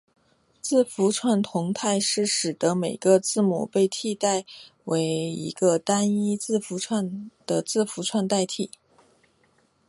字符串同态是使得每个字母被替代为一个单一字符串的字符串代换。